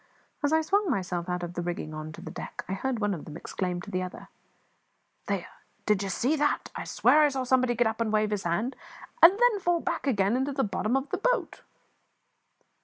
As I swung myself out of the rigging on to the deck I heard one of them exclaim to the other "There, did ye see that? I swear I saw somebody get up and wave his hand, and then fall back again into the bottom of the boat!"